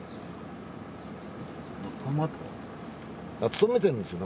勤めてるんですよ